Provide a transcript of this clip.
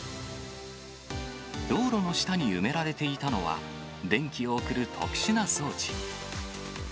道路の下に埋められていたのは、電気を送る特殊な装置。